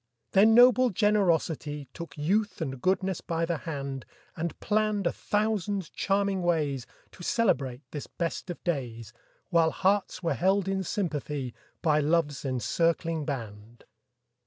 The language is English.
Then noble generosity Took youth and goodness by the hand, And planned a thousand charming ways To celebrate this best of days, While hearts were held in sympathy By love's encircling band.